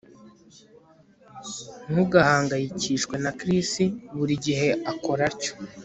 Ntugahangayikishwe na Chris Buri gihe akora atyo